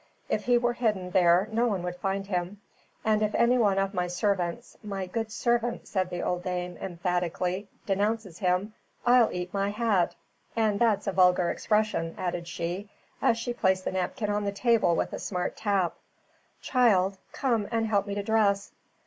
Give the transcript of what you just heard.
If he were hidden there no one could find him. And if anyone of my servants my good servants," said the old dame, emphatically, "denounces him I'll eat my hat, and that's a vulgar expression," added she, as she placed the napkin on the table with a smart tap. "Child, come and help me to dress.